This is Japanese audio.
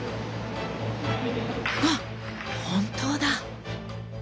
あっ本当だ！